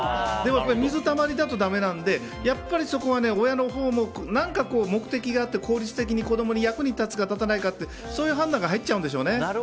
水たまりだとだめなのでやっぱりそこは親のほうも何か目的があって効率的に子供の役に立つかどうかというそういう判断が入っちゃうんでしょうね。